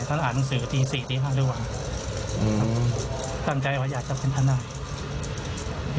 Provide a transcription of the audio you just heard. ท่านอ่านหนังสือทีสี่ทีห้าด้วยหวังอืมตั้งใจว่าอยากจะเป็นทนาย